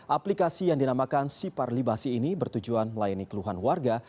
aplikasi yang dinamakan sipar libasi ini bertujuan melayani keluhan warga